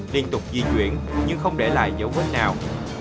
liên tục di chuyển nhưng không để lại dấu vết nào